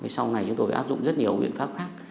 sau này chúng tôi phải áp dụng rất nhiều biện pháp khác